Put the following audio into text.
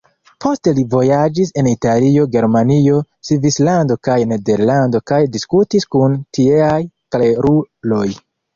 Poste li vojaĝis en Italio, Germanio, Svislando kaj Nederlando kaj diskutis kun tieaj kleruloj.